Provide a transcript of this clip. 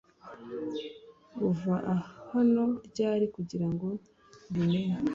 Uva hano ryari kugirango mbi menye